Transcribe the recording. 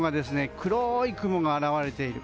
黒い雲が現れている。